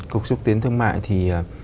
cục xúc tiến thương mại thì